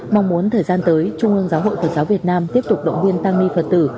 mong muốn thời gian tới trung ương giáo hội phật giáo việt nam tiếp tục động viên tăng ni phật tử